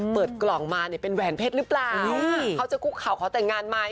เปิดกล่องมาเนี่ยเป็นแหวนเพชรหรือเปล่าเขาจะคุกเข่าขอแต่งงานไหม